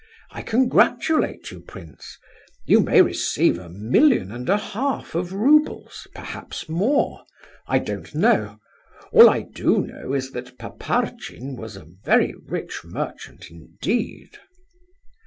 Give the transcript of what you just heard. I congratulate you, prince; you may receive a million and a half of roubles, perhaps more; I don't know. All I do know is that Paparchin was a very rich merchant indeed."